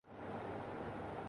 جس ملک میں حکومت کرنا چاہتے ہیں